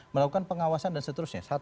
melakukan pengawasan dan seterusnya